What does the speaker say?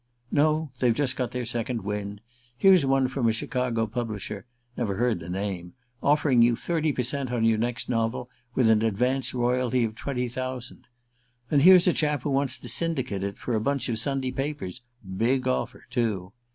"No: they've just got their second wind. Here's one from a Chicago publisher never heard the name offering you thirty per cent. on your next novel, with an advance royalty of twenty thousand. And here's a chap who wants to syndicate it for a bunch of Sunday papers: big offer, too.